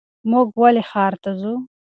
مونږ ولې ښار ته ځو؟